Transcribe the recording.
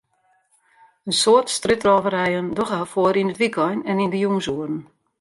In soad strjitrôverijen dogge har foar yn it wykein en yn de jûnsoeren.